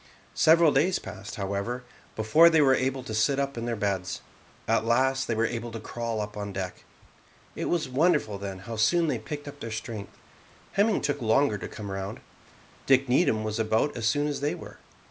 Several days passed, however, before they were able to sit up in their beds. At last they were able to crawl up on deck. It was wonderful then how soon they picked up their strength. Hemming took longer to come round. Dick Needham was about as soon as they were.